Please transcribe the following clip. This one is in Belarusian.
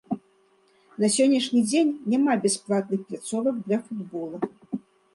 На сённяшні дзень няма бясплатных пляцовак для футбола.